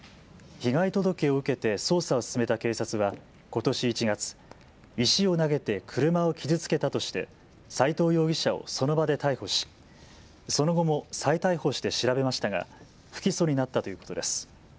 被害届を受けて捜査を進めた警察はことし１月、石を投げて車を傷つけたとして斎藤容疑者をその場で逮捕しその後も再逮捕して調べましたが不起訴になったということです。